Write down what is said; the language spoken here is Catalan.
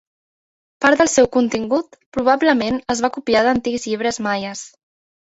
Part del seu contingut probablement es va copiar d'antics llibres Maies.